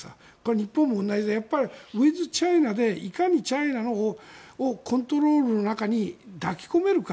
日本も同じでウィズチャイナでいかにチャイナをコントロールの中に抱き込めるか。